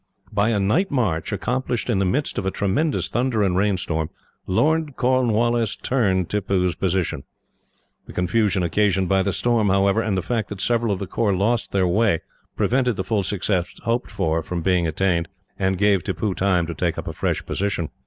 By a night march, accomplished in the midst of a tremendous thunder and rain storm, Lord Cornwallis turned Tippoo's position. The confusion occasioned by the storm, however, and the fact that several of the corps lost their way, prevented the full success hoped for from being attained, and gave Tippoo time to take up a fresh position.